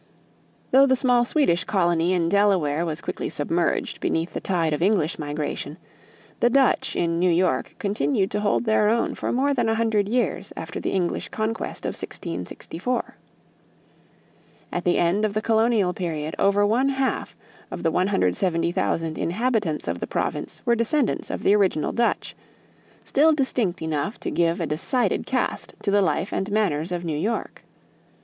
Though the small Swedish colony in Delaware was quickly submerged beneath the tide of English migration, the Dutch in New York continued to hold their own for more than a hundred years after the English conquest in 1664. At the end of the colonial period over one half of the 170,000 inhabitants of the province were descendants of the original Dutch still distinct enough to give a decided cast to the life and manners of New York.